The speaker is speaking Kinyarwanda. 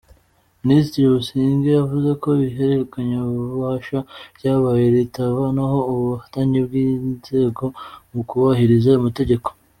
Minisitiri Busingye yavuze ko ihererekanyabubasha ryabaye ritavanaho ubufatanye bw’inzego mu kubahiriza amategeko.